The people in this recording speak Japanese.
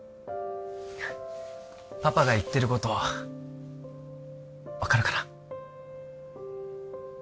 パパが言ってることは分かるかな？